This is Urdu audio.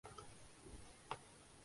کو بھی کینسر ہو گیا ؟